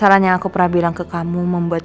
salahnya aku pernah bilang ke kamu membuat